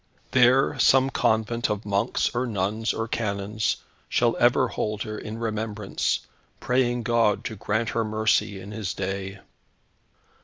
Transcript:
There some convent of monks or nuns or canons shall ever hold her in remembrance, praying God to grant her mercy in His day."